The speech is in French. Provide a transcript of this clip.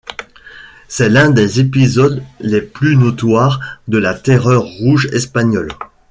C'est l'un des épisodes les plus notoires de la terreur rouge espagnole.